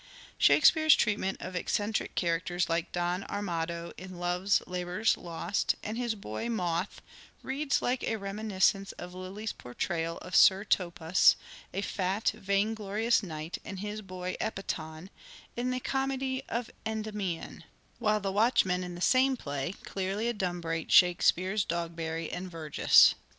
Shake speare's treatment of eccentric characters like Don Armado in ' Love's Labour's Lost,' and his boy Moth reads like a reminiscence of Lyly's portrayal of Sir Topas, a fat vainglorious knight, and his boy Epiton in the comedy of ' Endymion,' while the watchmen in the same play clearly adumbrate Shakespeare's Dogberry and Verges.